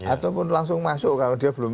ataupun langsung masuk kalau dia belum